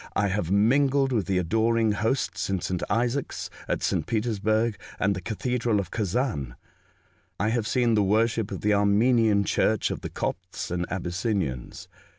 I have mingled with the adoring hosts in S. Isaac's at S. Petersburg and the Cathedral of Kazan. I have seen the worship of the Armenian church of the Copts and Abyssinians.